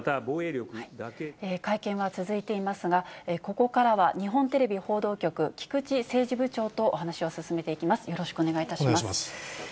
会見は続いていますが、ここからは日本テレビ報道局、菊池政治部長とお話を進めていきます。